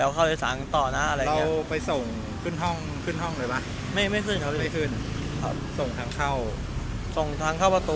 เขามาให้มา๔๐๐ตอนแรกเขาให้ผมประมาณ๕๐๐๖๐๐